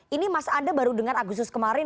ini mas anda baru dengar agustus kemarin